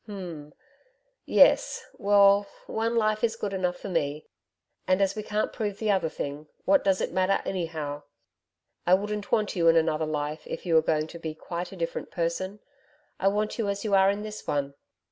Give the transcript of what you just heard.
'H'm! Yes! Well, one life is good enough for me, and as we can't prove the other thing, what does it matter anyhow? I wouldn't want you in another life if you were going to be quite a different person. I want you as you are in this one.